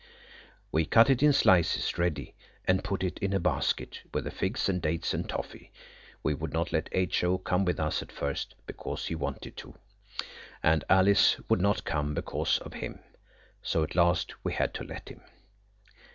We cut it in slices ready, and put it in a basket with the figs and dates and toffee. We would not let H.O. come with us at first because he wanted to. And Alice would not come because of him. So at last we had to let him.